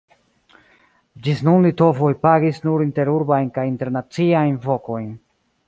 Ĝis nun litovoj pagis nur interurbajn kaj internaciajn vokojn.